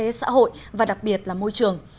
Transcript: kinh tế xã hội và đặc biệt là môi trường